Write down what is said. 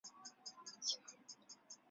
塞尔旺谢。